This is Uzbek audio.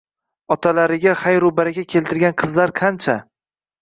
Otalariga xayru baraka keltirgan qizlar qancha!